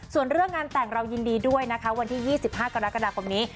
ส่วนเรื่องงานแต่งเรายินดีด้วยนะคะวันที่๒๕กรกฎาคมนี้